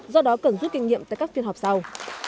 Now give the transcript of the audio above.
do đó cần rút kinh nghiệm tại các phiên họp sau